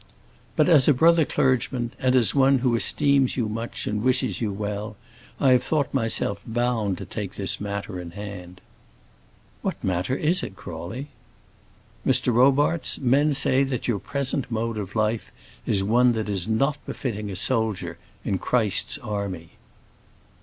"But as a brother clergyman, and as one who esteems you much and wishes you well, I have thought myself bound to take this matter in hand." "What matter is it, Crawley?" "Mr. Robarts, men say that your present mode of life is one that is not befitting a soldier in Christ's army."